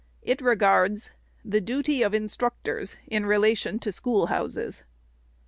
It regards THE DUTY OF INSTRUCTORS IN RELATION TO SCHOOLHOUSES.